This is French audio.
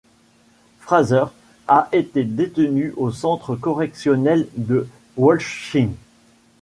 Fraser a été détenu au Centre Correctionnel de Wolschheim.